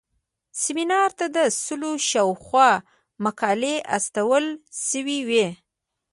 سیمینار ته د سلو شاوخوا مقالې استول شوې وې.